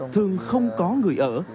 thường không có người ở